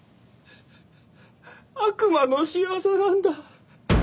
悪魔の仕業なんだ！